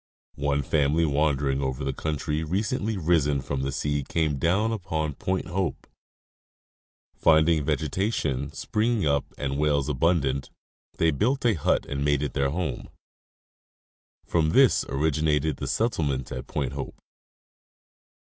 One family wandering over the country recently risen from the sea came down upon Point Hope: finding vegetation springing up and whales abundant, they built a hut and made it their home. From this originated the settlement at Point Hope.